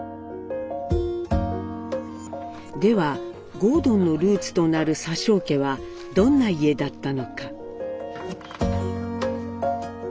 では郷敦のルーツとなる佐生家はどんな家だったのか。